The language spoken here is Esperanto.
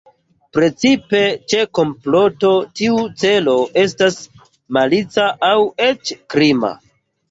Precipe ĉe komploto tiu celo estas malica aŭ eĉ krima.